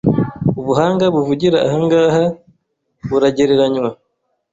ubuhanga buvugira aha ngaha buragereranywa